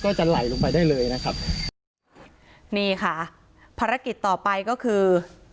จะไหลลงไปได้เลยนะครับนี่ค่ะภารกิจต่อไปก็คือ